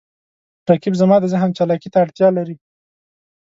رقیب زما د ذهن چالاکي ته اړتیا لري